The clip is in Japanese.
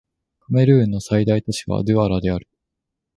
カメルーンの最大都市はドゥアラである